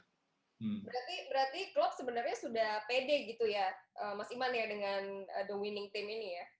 berarti klub sebenarnya sudah pede gitu ya mas iman ya dengan the winning team ini ya